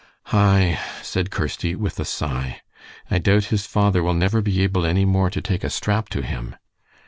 "Aye," said Kirsty, with a sigh, "I doubt his father will never be able any more to take a strap to him."